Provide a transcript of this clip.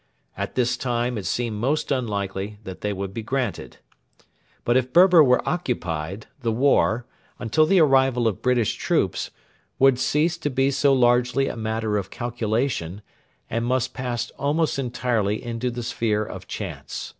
At this time it seemed most unlikely that they would be granted. But if Berber was occupied, the war, until the arrival of British troops, would cease to be so largely a matter of calculation, and must pass almost entirely into the sphere of chance.